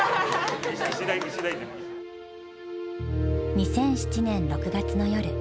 ２００７年６月の夜。